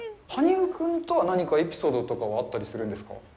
羽生君とは何かエピソードとかはあったりするんですか。